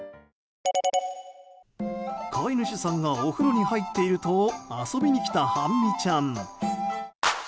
飼い主さんがお風呂に入っていると遊びにきた、はんみちゃん。